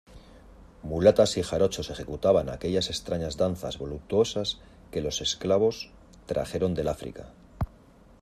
mulatas y jarochos ejecutaban aquellas extrañas danzas voluptuosas que los esclavos trajeron del África